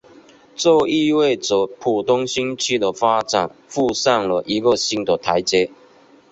这意味着浦东新区的发展步上了一个新的台阶。